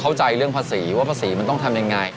เข้าใจเรื่องภาษีว่าภาษีมันต้องทำยังไง